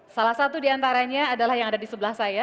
salah satu diantaranya adalah yang ada di sebelah saya